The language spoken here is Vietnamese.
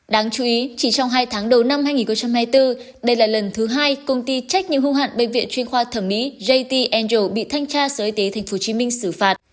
đáng chú ý chỉ trong hai tháng đầu năm hai nghìn hai mươi bốn đây là lần thứ hai công ty trách nhiệm hưu hạn bệnh viện chuyên khoa thẩm mỹ jt angel bị thanh tra sở y tế tp hcm xử phạt